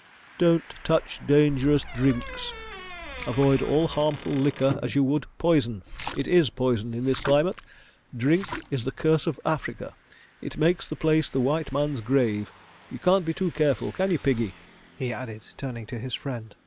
"Don't touch dangerous drinks. Avoid all harmful liquor as you would poison. It is poison, in this climate. Drink is the curse of Africa. It makes the place the White Man's Grave. You can't be too careful. ... Can you, Piggy?" he added, turning to his friend.